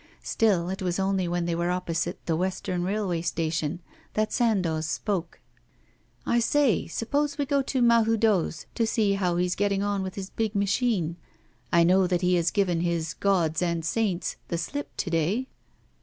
Still it was only when they were opposite the Western Railway Station that Sandoz spoke. 'I say, suppose we go to Mahoudeau's, to see how he's getting on with his big machine. I know that he has given "his gods and saints" the slip to day.